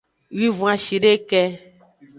Wivon-ashideke.